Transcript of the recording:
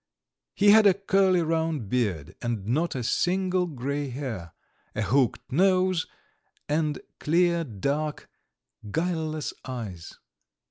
He had a curly, round beard and not a single grey hair a hooked nose, and clear, dark, guileless eyes.